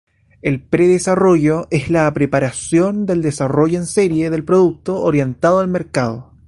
El pre-desarrollo es la preparación del desarrollo en serie del producto orientado al mercado.